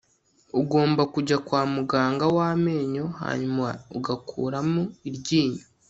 ugomba kujya kwa muganga w amenyo hanyuma ugakuramo iryinyo